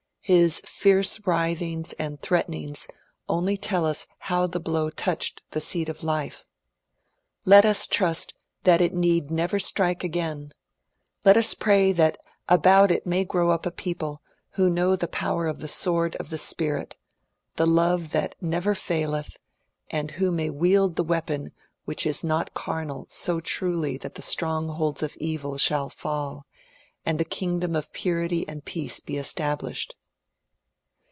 His fierce writhings and threatenings onlv tell us how the blow touched the seat of life. Let us trust that it need never strike ac^ain I Let us pray that about it may grow up a people who know the power of the Sword of the Spirit, the Love that never f aileth ; and who may wield the weapon which is not carnal so truly that the strongholds of Evil shall fall, and the kingdom of Purity and Peace be established.